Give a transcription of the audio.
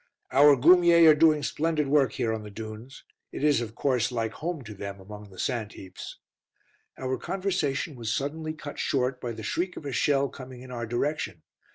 "Our Goumiers are doing splendid work here on the dunes. It is, of course, like home to them among the sand heaps." Our conversation was suddenly cut short by the shriek of a shell coming in our direction.